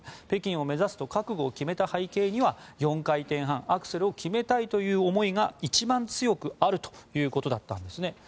北京を目指すと覚悟を決めた背景には４回転半アクセルを決めたいという思いが一番強くあるということだったんです。